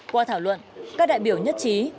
qua thảo luận các đại biểu nhất trí